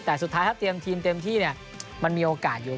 แต่สุดท้ายถ้าเตรียมทีมเต็มที่เนี่ยมันมีโอกาสอยู่